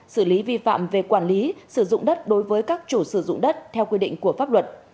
xử lý vi phạm về quản lý sử dụng đất đối với các chủ sử dụng đất theo quy định của pháp luật